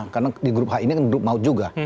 karena di grup h ini kan grup maut juga